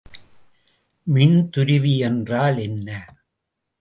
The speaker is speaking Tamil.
மின்துருவி என்றால் என்ன?